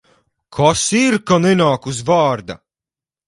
Kas ir, ka nenāk uz vārda?